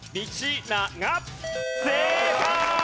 正解！